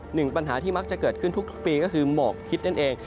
หนึ่งปัญหาที่มักจะเกิดขึ้นทุกปีก็คือหมอกพิษนั่นเอง